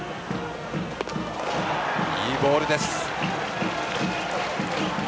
いいボールです。